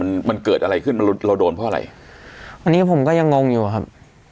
มันมันเกิดอะไรขึ้นมันเราโดนเพราะอะไรวันนี้ผมก็ยังงงอยู่ครับ